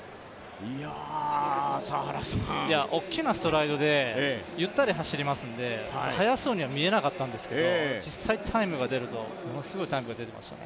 大きなストライドでゆったり走りますので速そうには見えなかったんですが実際、タイムが出るとものすごいタイムが出てましたね。